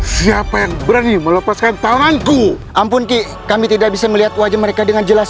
siapa yang berani melepaskan tanganku ampun kik kami tidak bisa melihat wajah mereka dengan jelas